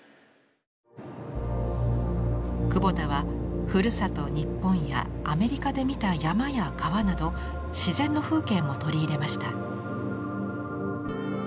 久保田はふるさと日本やアメリカで見た山や川など自然の風景も取り入れました。